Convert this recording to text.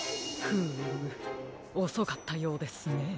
フームおそかったようですね。